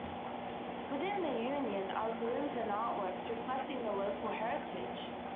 Within the Union are rooms and artworks reflecting the local heritage.